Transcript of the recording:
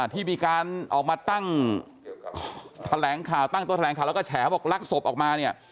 ที่มีการออกมาตั้งแถลงข่าวแล้วก็แฉวลักศพออกมา